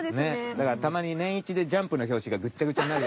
だからたまに年１で『ジャンプ』の表紙がぐちゃぐちゃになる。